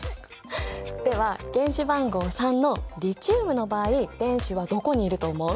では原子番号３のリチウムの場合電子はどこにいると思う？